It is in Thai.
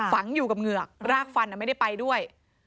ฝังอยู่กับเหงือกรากฟันไม่ได้ไปด้วย